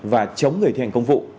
và chống người thi hành công vụ